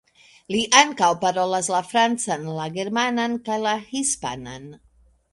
Li ankaŭ parolas la francan, la germanan kaj la hispanan.